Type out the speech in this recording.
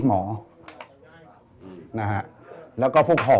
ชื่องนี้ชื่องนี้ชื่องนี้ชื่องนี้